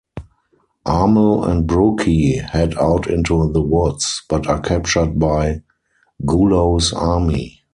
Armel and Brooky head out into the woods, but are captured by Gulo's army.